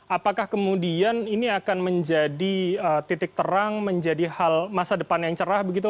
apakah kemudian ini akan menjadi titik terang menjadi hal masa depan yang cerah begitu